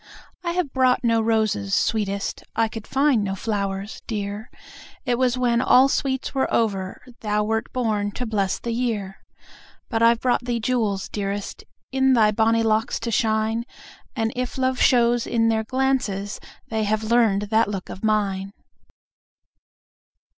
I have brought no roses, sweetest, I could find no flowers, dear,— It was when all sweets were over Thou wert born to bless the year. But I've brought thee jewels, dearest, In thy bonny locks to shine,— And if love shows in their glances, They have learn'd that look of mine!